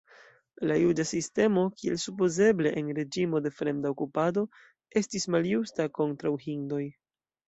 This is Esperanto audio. La juĝa sistemo, kiel supozeble en reĝimo de fremda okupado, estis maljusta kontraŭ hindoj.